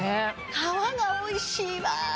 皮がおいしいわ！